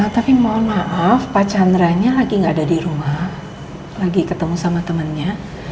tapi mohon maaf pak chandra lagi gak ada di rumah lagi ketemu sama temennya